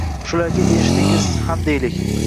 Shularga erishdingiz ham deylik.